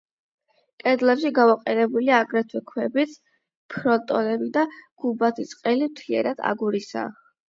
კედლებში გამოყენებულია აგრეთვე ქვებიც; ფრონტონები და გუმბათის ყელი მთლიანად აგურისაა.